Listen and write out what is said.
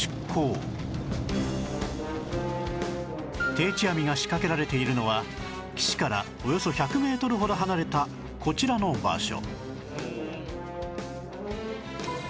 定置網が仕掛けられているのは岸からおよそ１００メートルほど離れたこちらの場所